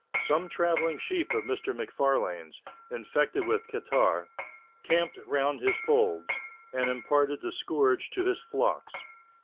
Some travelling sheep of Mr. McFarlane's, infected with catarrh, camped round his folds, and imparted the scourge to his flocks.